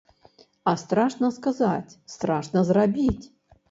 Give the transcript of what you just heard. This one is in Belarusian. А страшна сказаць, страшна зрабіць.